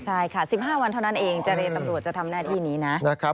ใช่ค่ะ๑๕วันเท่านั้นเองเจรตำรวจจะทำหน้าที่นี้นะ